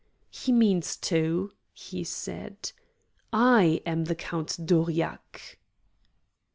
"He means to," he said. "I am the Count d'Aurillac!"